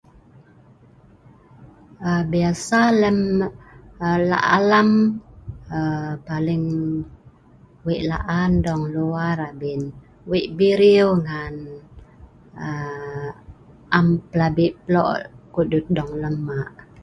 um biasa lem lak alem. um paling weik laan dong luar, abin weik birieu ngan um am plabi plok kudut dong lem mak